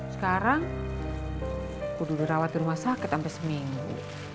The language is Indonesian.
sekarang kududur rawat di rumah sakit sampe seminggu